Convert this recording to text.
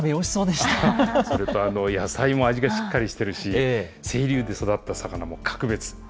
それと、野菜も味がしっかりしてるし、清流で育った魚も格別。